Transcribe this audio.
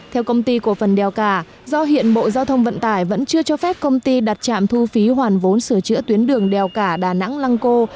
theo công ty cổ phần đèo cả do hiện bộ giao thông vận tải vẫn chưa cho phép công ty đặt trạm thu phí hoàn vốn sửa chữa tuyến đường đèo cả đà nẵng lăng cô